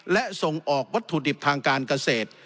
และส่งออกวัตถุดิบทางการเกษตร